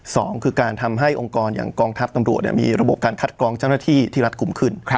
สองคือการทำให้องค์กรอย่างกองทัพตำรวจมีระบบการคัดกรองเจ้าหน้าที่ที่รัฐกลุ่มขึ้น